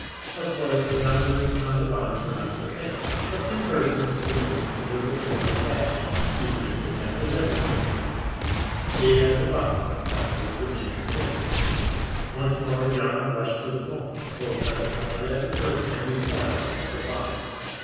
Of course, the numbers on the bonds were not the same, but few persons would notice a little thing like that, even if they kept a record of it. They had the bonds that was the main thing. Once more John rushed to the 'phone, told Prescott what had occurred and besought him for the bonds.